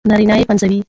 نارينه يې پنځوي